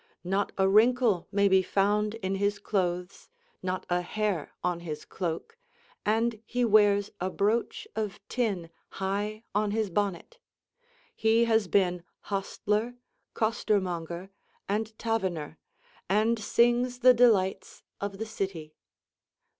Not a wrinkle may be found in his clothes, not a hair on his cloak, and he wears a brooch of tin high on his bonnet. He has been hostler, costermonger, and taverner, and sings the delights of the city.